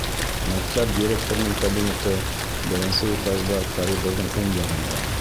Мәктәп директорының кабинеты беренсе этажда коридорҙың уң яғында.